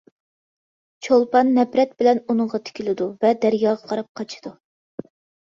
چولپان نەپرەت بىلەن ئۇنىڭغا تىكىلىدۇ ۋە دەرياغا قاراپ قاچىدۇ.